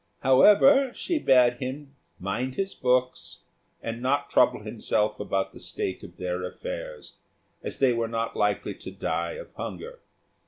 However, she bade him mind his books, and not trouble himself about the state of their affairs, as they were not likely to die of hunger.